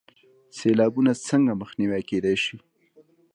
سیلابونه څنګه مخنیوی کیدی شي؟